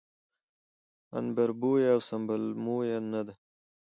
عنبربويه او سنبل مويه نه ده